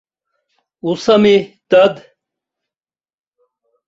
Усами, дад.